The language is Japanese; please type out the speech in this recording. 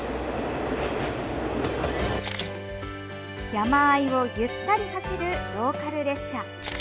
山あいをゆったり走るローカル列車。